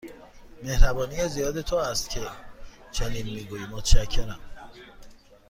مهربانی زیاد تو است که چنین می گویی، متشکرم.